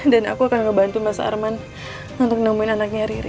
aku akan ngebantu mas arman untuk nemuin anaknya riri